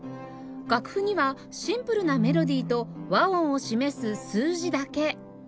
楽譜にはシンプルなメロディーと和音を示す数字だけ